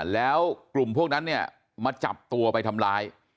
แล้วกลุ่มพวกนั้นเนี่ยมาจับตัวไปทำร้าย